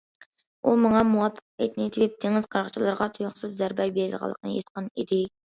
ئۇ ماڭا مۇۋاپىق پەيتىنى تېپىپ دېڭىز قاراقچىلىرىغا تۇيۇقسىز زەربە بېرىدىغانلىقىنى ئېيتقان ئىدى.